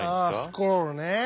スクールね。